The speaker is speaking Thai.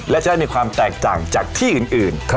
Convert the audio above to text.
และใช้ในความแตกต่างจากที่อื่น